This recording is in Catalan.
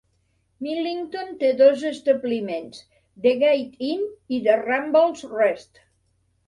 Millington té dos establiments: The Gait Inn i The Ramblers Rest.